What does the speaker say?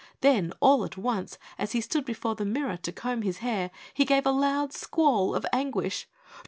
Then, all at once, as he stood before the mirror to comb his hair, he gave a loud squall of anguish.